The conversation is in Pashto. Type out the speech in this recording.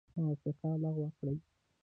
موافقه لغو کړي.